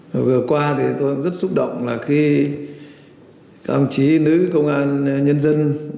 vừa qua tôi rất xúc động khi các ông chí nữ công an nhân dân